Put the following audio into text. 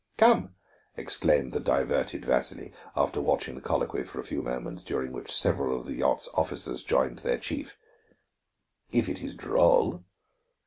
"Come," exclaimed the diverted Vasili, after watching the colloquy for a few moments, during which several of the yacht's officers joined their chief. "If it is droll!"